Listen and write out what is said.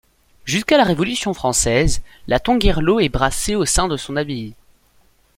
Jusqu'à la révolution française, la Tongerlo est brassée au sein de son abbaye.